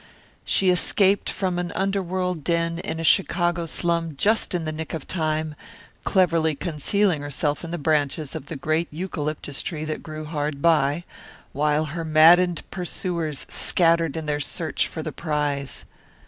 She escaped from an underworld den in a Chicago slum just in the nick of time, cleverly concealing herself in the branches of the great eucalyptus tree that grew hard by, while her maddened pursuers scattered in their search for the prize.